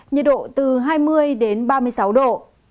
nhiệt độ từ hai mươi đến ba mươi sáu độ